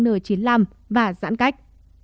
n chín mươi năm và giãn cách